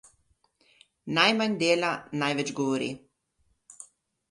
Najmanj dela, največ govori.